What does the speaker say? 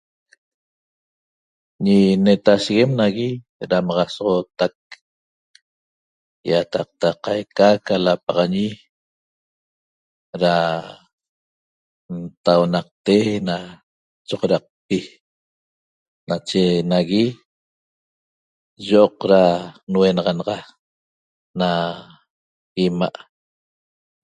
Ñi netasheguem nagui damaxasooxotac ýataqta qaca aca lapaxañi da ntaunaqte na choxodaqpi nache nagui yi'oq da nuenaxanaxa na 'ima'